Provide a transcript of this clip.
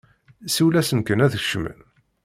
Siwel-asen kan ad d-kecmen!